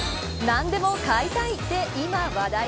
何でも買いたいで今、話題。